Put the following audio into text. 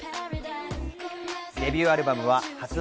デビューアルバムは発売